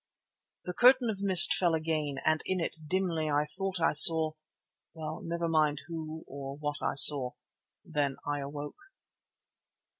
The curtain of mist fell again and in it, dimly, I thought I saw—well, never mind who or what I saw. Then I awoke.